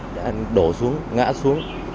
đã đổ xuống ngã xuống